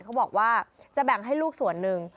เขาบอกว่าจะแบ่งให้ลูกส่วนหนึ่ง